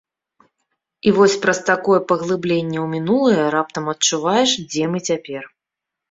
І вось праз такое паглыбленне ў мінулае раптам адчуваеш, дзе мы цяпер.